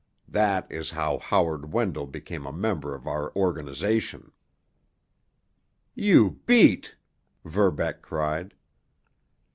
That is how Howard Wendell became a member of our organization." "You beat!" Verbeck cried.